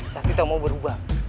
sakti tak mau berubah